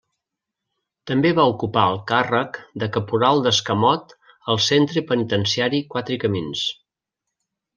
També va ocupar el càrrec de caporal d'escamot al Centre Penitenciari Quatre Camins.